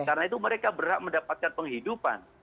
karena itu mereka berhak mendapatkan penghidupan